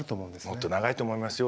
もっと長いと思いますよ